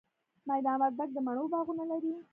میدان وردګ د مڼو باغونه لري